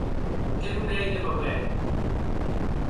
Que non ei de mau hèr.